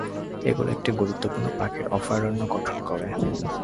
এগুলি একটি গুরুত্বপূর্ণ পাখির অভয়ারণ্য গঠন করে।